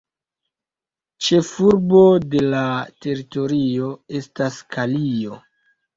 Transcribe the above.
Ĉefurbo de la teritorio estas Kalio.